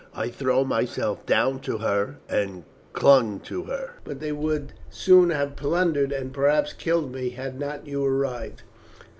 I threw myself down on her and clung to her, but they would soon have plundered and perhaps killed me had not you arrived."